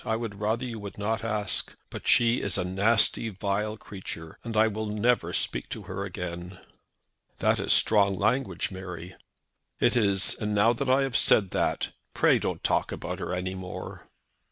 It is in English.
I would rather you would not ask. But she is a nasty vile creature, and I will never speak to her again." "That is strong language, Mary." "It is. And now that I have said that, pray don't talk about her any more."